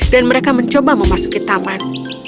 dan mereka mencoba memasuki taman